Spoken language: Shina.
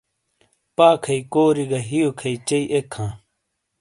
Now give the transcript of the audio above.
پا کھئیی کوری گہ ہِئیو کھئیی چئیی ایک ہاں۔